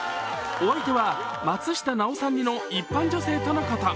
お相手は松下奈緒さん似の一般女性とのこと。